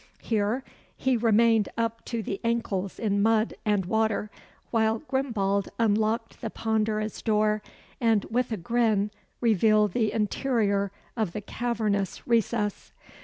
Here he remained up to the ankles in mud and water, while Grimbald unlocked the ponderous door, and with a grin revealed the interior of the cavernous recess.